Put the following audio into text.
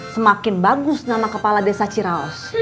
semakin bagus nama kepala desa ciraos